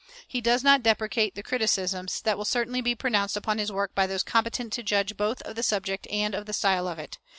He does not deprecate the criticisms that will certainly be pronounced upon his work by those competent to judge both of the subject and of the style of it.